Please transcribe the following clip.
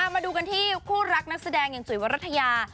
มาดูกันที่คู่รักนักแสดงอย่างจุ๋ยวรัฐยา